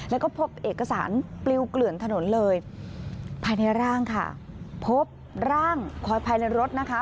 แล้วก็พบเอกสารปลิวเกลื่อนถนนเลยภายในร่างค่ะพบร่างคอยภายในรถนะคะ